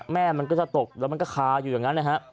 มันก็จะตกแล้วมันก็คาอยู่อย่างนั้นนะฮะ